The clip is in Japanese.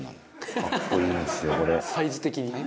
「サイズ的にね」